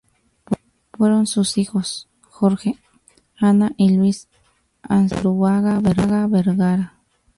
Fueron sus hijos Jorge, Ana y Luis Astaburuaga Vergara.